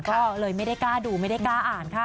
ก็เลยไม่ได้กล้าดูไม่ได้กล้าอ่านค่ะ